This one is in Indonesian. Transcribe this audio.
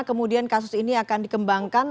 kemudian kasus ini akan dikembangkan